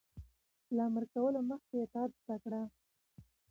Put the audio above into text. - له امر کولو مخکې اطاعت زده کړه.